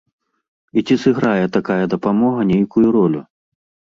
І ці сыграе такая дапамога нейкую ролю?